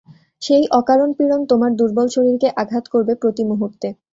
সেই অকারণ পীড়ন তোমার দূর্বল শরীরকে আঘাত করবে প্রতিমুহূর্তে।